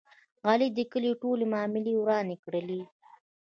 علي د کلي ټولې معاملې ورانې کړلې.